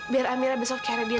biar amira besok kira dia